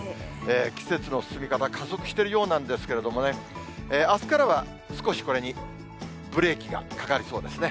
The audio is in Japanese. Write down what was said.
季節の進み方、加速しているようなんですけどもね、あすからは少しこれにブレーキがかかりそうですね。